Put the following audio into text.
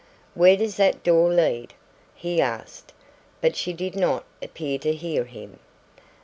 "Where does that door lead?" he asked, but she did not appear to hear him.